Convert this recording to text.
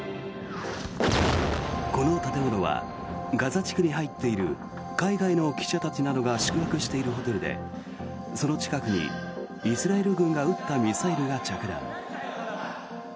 この建物はガザ地区に入っている海外の記者たちなどが宿泊しているホテルでその近くにイスラエル軍が撃ったミサイルが着弾。